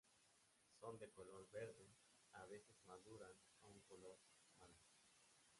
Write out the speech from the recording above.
Son de color verde, a veces maduran a un color malva.